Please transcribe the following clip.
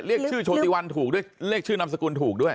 เรียกชื่อโชติวันถูกด้วยเรียกชื่อนามสกุลถูกด้วย